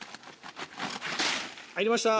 入りました。